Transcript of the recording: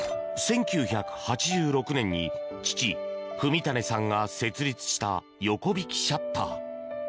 １９８６年に父・文胤さんが設立した横引シャッター。